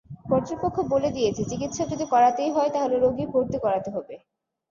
কর্তৃপক্ষ বলে দিয়েছে, চিকিৎসা যদি করাতেই হয়, তাহলে রোগী ভর্তি করাতে হবে।